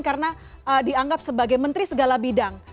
karena dianggap sebagai menteri segala bidang